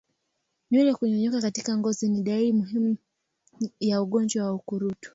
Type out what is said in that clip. Nywele kunyonyoka katika ngozi ni dalili muhimu ya ugonjwa wa ukurutu